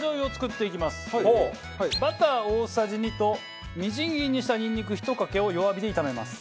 バター大さじ２とみじん切りにしたニンニク１かけを弱火で炒めます。